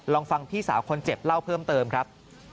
ลองฟังพี่สาวคนเจ็บเล่าเพิ่มเติมครับ